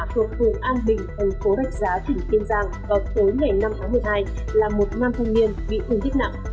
phường phùng an bình thành phố rạch giá tỉnh tiên giang vào tối ngày năm tháng một mươi hai là một nam thông niên bị hùng tích nặng